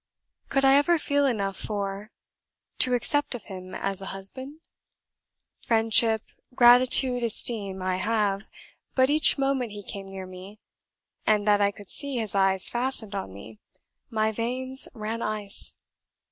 "Could I ever feel enough for , to accept of him as a husband? Friendship gratitude esteem I have; but each moment he came near me, and that I could see his eyes fastened on me, my veins ran ice.